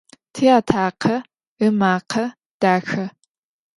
Tiatakhe ımakhe daxe.